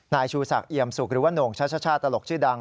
นายชูศักดิมสุกหรือว่าโหน่งชัชชาตลกชื่อดัง